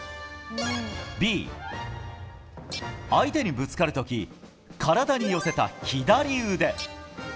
Ｂ、相手にぶつかる時体に寄せた左腕。